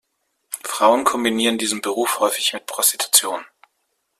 Frauen kombinierten diesen Beruf häufig mit Prostitution.